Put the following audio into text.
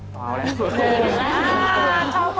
ชอบคนที่หนึ่ง